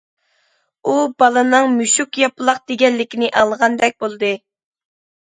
ئۇ بالىنىڭ« مۈشۈك ياپىلاق» دېگەنلىكىنى ئاڭلىغاندەك بولدى.